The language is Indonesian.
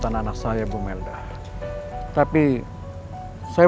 dan juga kakainya